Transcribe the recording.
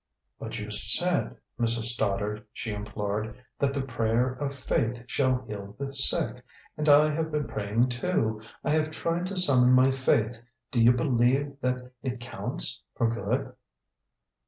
"But you said, Mrs. Stoddard," she implored, "that the prayer of faith shall heal the sick. And I have been praying, too; I have tried to summon my faith. Do you believe that it counts for good?"